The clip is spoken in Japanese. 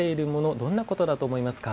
どんなことだと思いますか？